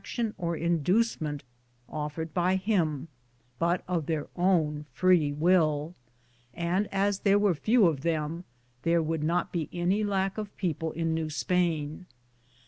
r,z«j I:, Google THE JOURNEY OP COBONADO or inducement offered by him, but of their own free will, and aa there were few of them, there would not be any lack of people in New Spain.